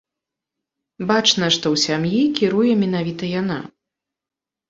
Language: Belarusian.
Бачна, што ў сям'і кіруе менавіта яна.